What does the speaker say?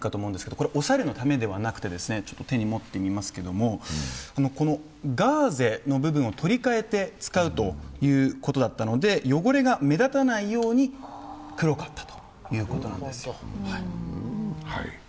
これはおしゃれのためではなくて、ガーゼの部分を取り替えて使うということだったので汚れが目立たないように黒かったということなんですよ。